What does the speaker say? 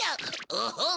オホン！